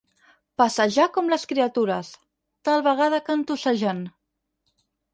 Passejar com les criatures, tal vegada cantussejant.